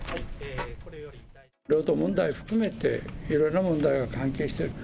領土問題含めて、いろいろな問題が関係している。